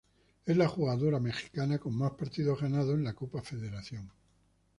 Es la jugadora mexicana con más partidos ganados en Copa Federación